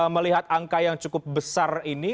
melihat angka yang cukup besar ini